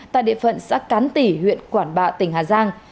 tại địa phận xác cán tỉ huyện quảng bạ tỉnh hà giang